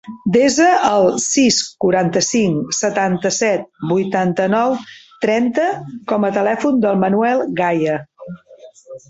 Desa el sis, quaranta-cinc, setanta-set, vuitanta-nou, trenta com a telèfon del Manuel Gaya.